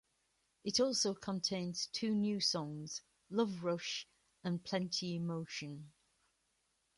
It also contains two new songs, "Love Rush" and "Plenty Emotion".